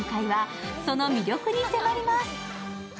今回はその魅力に迫ります。